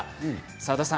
澤田さん